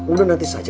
udah nanti saja